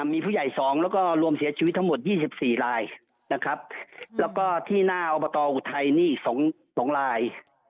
มีผู้ใหญ่๒แล้วก็รวมเสียชีวิตทั้งหมด๒๔ลายนะครับแล้วก็ที่หน้าอบตอุทัยนี่๒ลาย